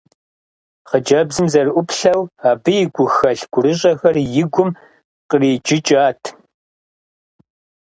Хъыджэбзым зэрыӏуплъэу, абы и гухэлъ-гурыщӏэхэр и гум къриджыкӏат.